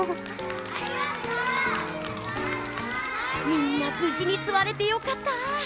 みんなぶじにすわれてよかった！